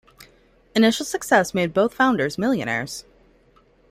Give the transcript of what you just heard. Initial success made both founders millionaires.